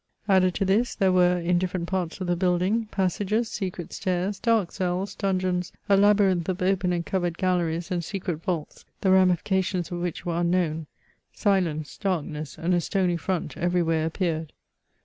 Added to this, there were, in different parts of the building, passages, secret stairs, dark cells, dungeons, a labyrinth of open and covered galleries, and secret vaults, the ramifica tions of which were unknown ; silence, darkness, and a stony front, everywhere appeared.